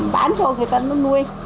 bán rồi người ta nó nuôi